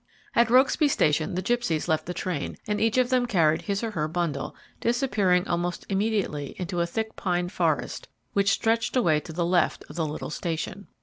At Rokesby Station the gipsies left the train, and each of them carried his or her bundle, disappearing almost immediately into a thick pine forest, which stretched away to the left of the little station.